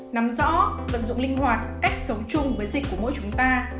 nắm rõ vận dụng linh hoạt cách sống chung với dịch của mỗi chúng ta